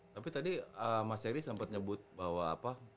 tapi tadi mas heri sempat nyebut bahwa apa